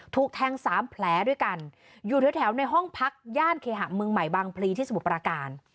ถูกแทงสามแผลด้วยกันอยู่แถวในห้องพักย่านเคหะเมืองใหม่บางพลีที่สมุทรปราการ